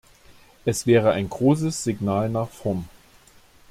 Es wäre ein großes Signal nach vorn.